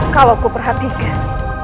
kalau ku perhatikan